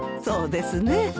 そうですね。